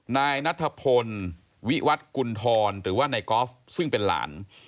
นายนัทพลวิวัตกุณฑรหรือว่านายกอล์ฟซึ่งเป็นหลาน